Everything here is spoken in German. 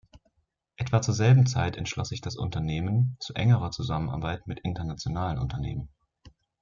Etwa zur selben Zeit entschloss sich das Unternehmen zu engerer Zusammenarbeit mit internationalen Unternehmen.